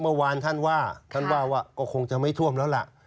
เมื่อวานท่านว่าก็คงจะไม่ท่วมแล้วล่ะ